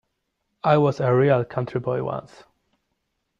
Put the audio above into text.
I was a real country boy, once.